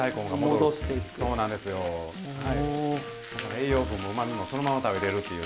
栄養素もうまみもそのまま食べれるっていう。